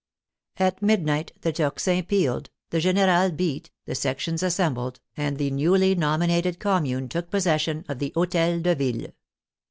At midnight the tocsin pealed, the generale beat, the sections assembled, and the newly nominated Commune took possession of the Hotel de Ville.